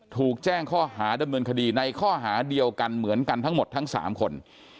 ถูกแจ้งข้อหาดำเนินคดีในข้อหาเดียวกันเหมือนกันทั้งหมดทั้ง๓คน